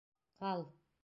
Ҡал!